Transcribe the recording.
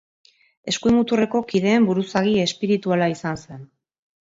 Eskuin muturreko kideen buruzagi espirituala izan zen.